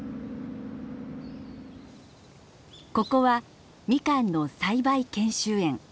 ここはみかんの栽培研修園。